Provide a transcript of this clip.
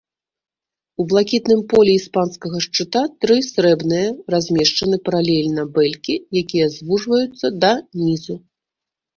У блакітным полі іспанскага шчыта тры срэбныя размешчаны паралельна бэлькі, якія звужваюцца да нізу.